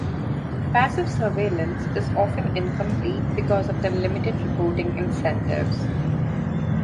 Passive surveillance is often incomplete because of the limited reporting incentives.